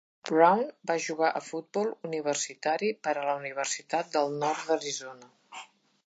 Brown va jugar a futbol universitari per a la Universitat del Nord d'Arizona.